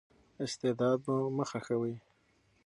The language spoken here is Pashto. استعداد مو مه خښوئ.